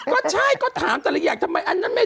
ก็ใช่ก็ถามแต่ละอย่างทำไมอันนั้นไม่